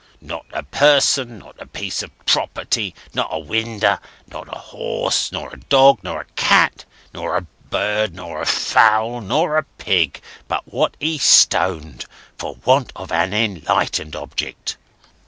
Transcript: Not a person, not a piece of property, not a winder, not a horse, nor a dog, nor a cat, nor a bird, nor a fowl, nor a pig, but what he stoned, for want of an enlightened object.